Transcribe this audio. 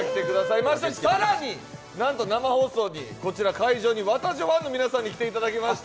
更に、なんと生放送にこちら会場に「ワタジョ」ファンの皆さんに来ていただきました。